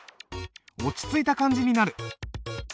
落ち着いた感じになる。